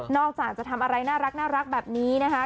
อกจากจะทำอะไรน่ารักแบบนี้นะคะ